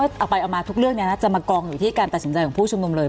เอาไปเอามาทุกเรื่องนี้จะมากองอยู่ที่การตัดสินใจของผู้ชุมนุมเลย